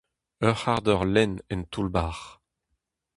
Ur c'hard eur lenn en toull-bac'h.